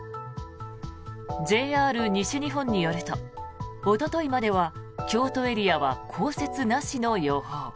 ＪＲ西日本によるとおとといまでは京都エリアは降雪なしの予報。